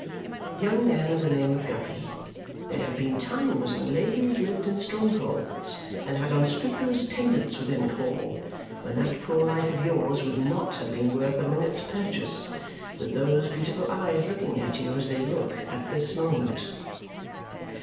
Young man of the name of Guppy! There have been times, when ladies lived in strongholds and had unscrupulous attendants within call, when that poor life of yours would NOT have been worth a minute's purchase, with those beautiful eyes looking at you as they look at this moment.